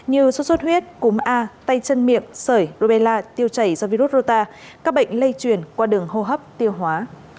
như suốt suốt huyết cúm a tay chân miệng sởi rô bê la tiêu chảy do virus rô ta các bệnh lây chuyển qua đường hô hấp tiêu hóa